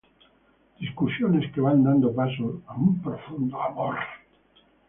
Discusiones que van dando pasos a un profundo amor.